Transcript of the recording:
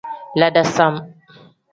La dasam.